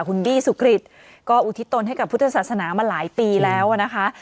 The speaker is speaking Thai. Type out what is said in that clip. คุณบี้สุกริตก็อุทิศตนให้กับพุทธศาสนามาหลายปีแล้วนะคะ